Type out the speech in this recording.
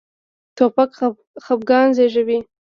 توپک خپګان زېږوي.